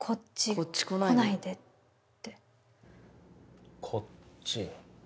「こっち来ないで」って「こっち」